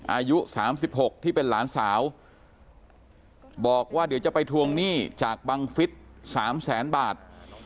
อายุ๓๖ที่เป็นหลานสาวบอกว่าเดี๋ยวจะไปทวงหนี้จากบังฟิศ๓แสนบาท